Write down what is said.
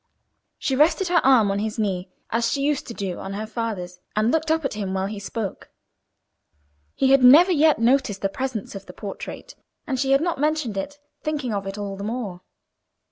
She rested her arm on his knee, as she used to do on her father's, and looked up at him while he spoke. He had never yet noticed the presence of the portrait, and she had not mentioned it—thinking of it all the more.